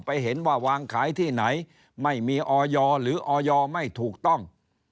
ไปเห็นว่าวางขายที่ไหนไม่มีออยหรือออยไม่ถูกต้อง